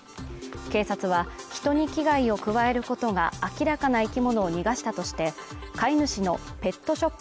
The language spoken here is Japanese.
警察は人に危害を加えることが明らかな生き物を逃がしたとして飼い主のペットショップ